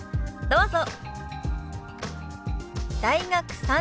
どうぞ。